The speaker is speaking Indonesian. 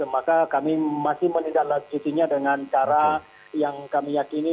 maka kami masih menindaklanjutinya dengan cara yang kami yakini